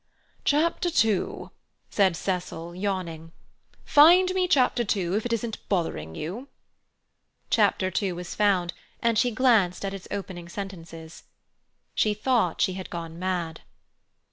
"Chapter two," said Cecil, yawning. "Find me chapter two, if it isn't bothering you." Chapter two was found, and she glanced at its opening sentences. She thought she had gone mad.